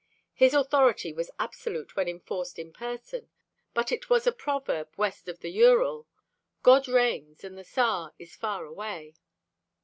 His authority was absolute when enforced in person, but it was a proverb west of the Ural: "God reigns and the Tsar is far away."